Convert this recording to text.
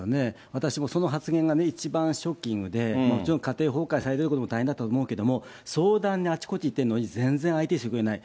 私もその発言がね、一番ショッキングで、もちろん家庭崩壊されるということも大変だったと思うけれども、相談にあちこち行ってるのに、全然相手にしてくれない。